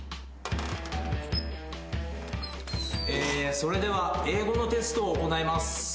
それでは英語のテストを行います